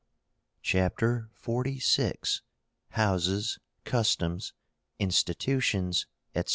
CHAPTER XLVI. HOUSES, CUSTOMS, INSTITUTIONS, ETC.